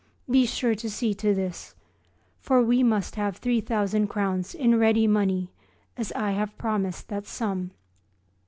Be sure to see to this; for we must have three thousand crowns in ready money, as I have promised that sum.